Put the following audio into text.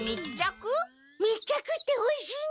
密着っておいしいの？